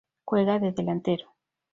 Juega de delantero..